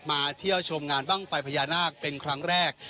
เที่ยวชมงานบ้างไฟพญานาคเป็นครั้งแรก